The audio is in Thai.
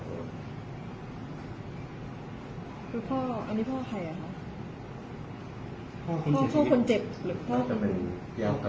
คือพ่ออันนี้พ่อใครอ่ะคะ